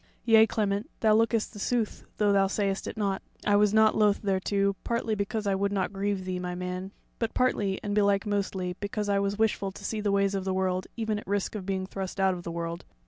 Yea, Clement, thou lookest the sooth, though thou sayest it not, I was nought loth thereto, partly because I would not grieve thee, my man; but partly, and belike mostly, because I was wishful to see the ways of the world even at the risk of being thrust out of the world.